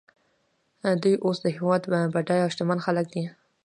دوی اوس د هېواد بډایه او شتمن خلک دي